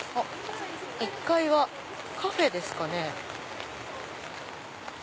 １階はカフェですかね。